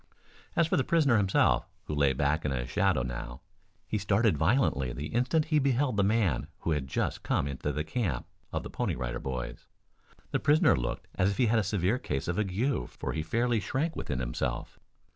As for the prisoner himself, who lay back in a shadow now, he started violently the instant he beheld the man who had just come into the camp of the Pony Rider Boys. The prisoner looked as if he had a severe case of ague for he fairly shrank within himself.